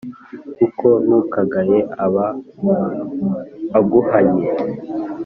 kuko n’ukugaye aba aguhannye,